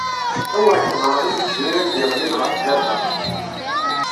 A wer ḥedṛeɣ i leḥzen ara d-iɣlin ɣef baba!